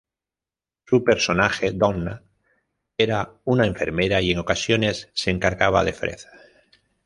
Su personaje, Donna era una enfermera y en ocasiones se encargaba de Fred.